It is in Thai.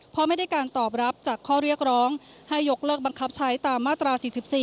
เพราะไม่ได้การตอบรับจากข้อเรียกร้องให้ยกเลิกบังคับใช้ตามมาตรา๔๔